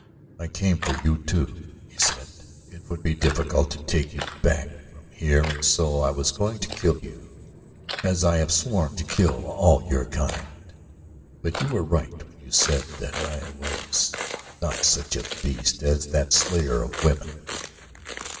"I came for you, too," he said. "It would be difficult to take you back from here and so I was going to kill you, as I have sworn to kill all your kind; but you were right when you said that I was not such a beast as that slayer of women.